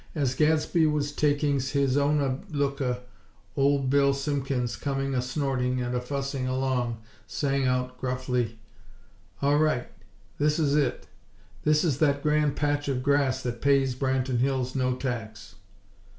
As Gadsby was "takinga his owna looka," Old Bill Simpkins, coming a snorting and a fussing along, sang out, gruffly: "All right; this is it! This is that grand patch of grass that pays Branton Hills no tax!"